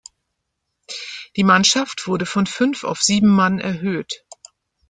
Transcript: Die Mannschaft wurde von fünf auf sieben Mann erhöht.